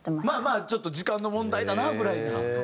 まあまあちょっと時間の問題だなぐらいには。